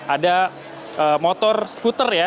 ada motor skuter ya